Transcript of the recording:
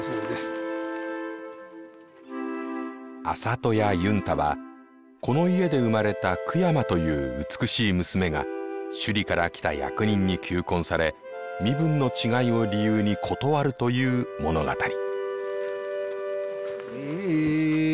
「安里屋ユンタ」はこの家で生まれたクヤマという美しい娘が首里から来た役人に求婚され身分の違いを理由に断るという物語。